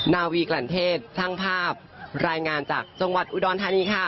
นาวีกลั่นเทศช่างภาพรายงานจากจังหวัดอุดรธานีค่ะ